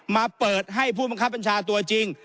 มาเปิดให้ผู้บังคับบัญชาตัวจริง